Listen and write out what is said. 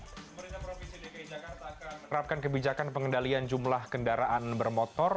pemerintah provinsi dki jakarta menerapkan kebijakan pengendalian jumlah kendaraan bermotor